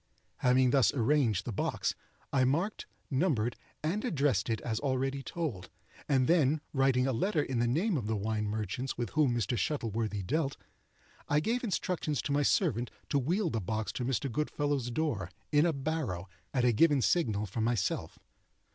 Having thus arranged the box, I marked, numbered, and addressed it as already told; and then writing a letter in the name of the wine merchants with whom Mr. Shuttleworthy dealt, I gave instructions to my servant to wheel the box to Mr. Goodfellow's door, in a barrow, at a given signal from myself.